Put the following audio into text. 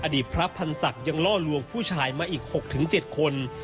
อดีตพระพันธ์ศักดิ์ยังล่อลวงผู้ชายมาอีก๖๗คน